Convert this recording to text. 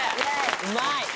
うまい！